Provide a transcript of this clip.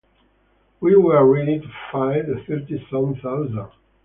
We were ready to fight the thirty-some thousand.